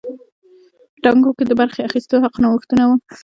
په ټاکنو کې د برخې اخیستو حق نوښتونه وو.